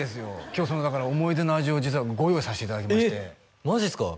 今日そのだから思い出の味を実はご用意させていただきましてえっマジっすか？